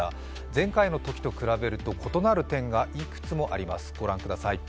前回のときと比べると異なる点がいくつもあります、ご覧ください。